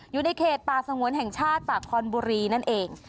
อยู่ในเขตป่าสงวนแห่งชาติป่าคอนบุรีนั่นเอง